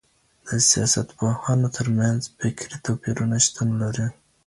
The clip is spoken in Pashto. د سياستپوهانو ترمنځ فکري توپيرونه شتون لري.